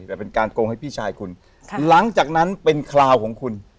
แต่เป็นการโกงให้พี่ชายคุณค่ะหลังจากนั้นเป็นคราวของคุณ